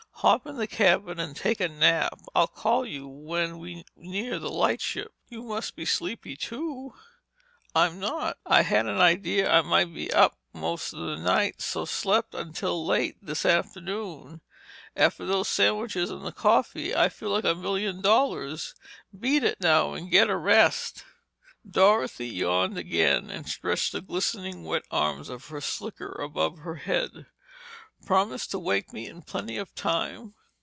Hop in the cabin and take a nap. I'll call you when we near the lightship." "You must be sleepy, too." "I'm not. I had an idea I might be up most of the night, so slept until late this afternoon. And after those sandwiches and the coffee, I feel like a million dollars. Beat it now and get a rest." Dorothy yawned again and stretched the glistening wet arms of her slicker above her head. "Promise to wake me in plenty of time?"